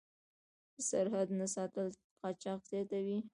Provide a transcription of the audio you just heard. د سرحد نه ساتل قاچاق زیاتوي.